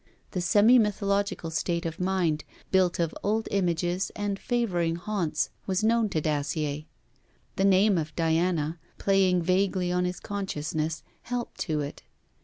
The semi mythological state of mind, built of old images and favouring haunts, was known to Dacier. The name of Diana, playing vaguely on his consciousness, helped to it.